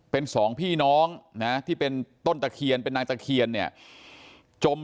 เป็นสองพี่น้องนะที่เป็นต้นตะเคียนเป็นนางตะเคียนเนี่ยจม